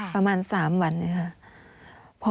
ประมาณสามวันนะครับ